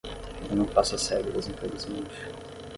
Eu não faço as regras infelizmente.